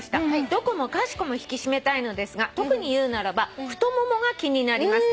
「どこもかしこも引き締めたいのですが特に言うならば太ももが気になります」